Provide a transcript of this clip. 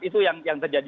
itu yang terjadi